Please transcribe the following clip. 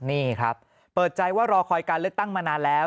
นี่ครับเปิดใจว่ารอคอยการเลือกตั้งมานานแล้ว